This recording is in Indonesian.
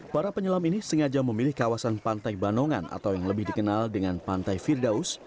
para penyelam ini sengaja memilih kawasan pantai banongan atau yang lebih dikenal dengan pantai firdaus